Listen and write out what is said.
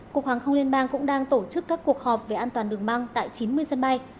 cục hàng không liên bang cũng đang tổ chức các cuộc họp về an toàn đường băng tại chín mươi sân bay